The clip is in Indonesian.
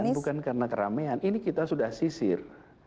ini semua dilakukan bukan karena keramaian ini kita sudah sisir